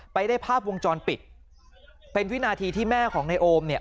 ไปได้ภาพวงจรปิดเป็นวินาทีที่แม่ของในโอมเนี่ย